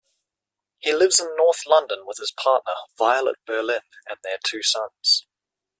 He lives in north London with his partner, Violet Berlin, and their two sons.